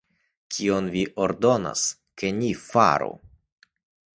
Kion vi ordonas, ke ni faru?